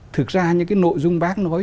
thực ra những cái nội dung bác nói